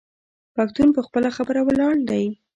پښتون په خپله خبره ولاړ دی.